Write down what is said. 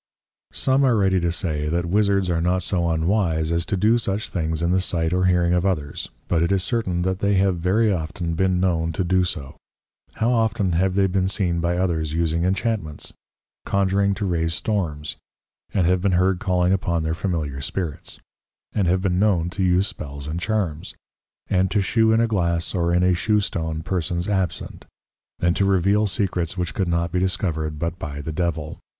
_ Some are ready to say, that Wizzards are not so unwise as to do such things in the sight or hearing of others, but it is certain that they have very often been known to do so: How often have they been seen by others using Inchantments? Conjuring to raise Storms? And have been heard calling upon their Familiar Spirits? And have been known to use Spells and Charms? And to shew in a Glass or in a Shew stone persons absent? And to reveal Secrets which could not be discovered but by the Devil?